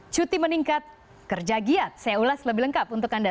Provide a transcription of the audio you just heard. cuti meningkat kerja giat